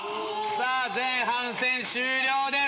さあ前半戦終了です。